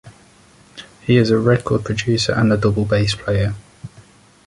He is a record producer and a double-bass player.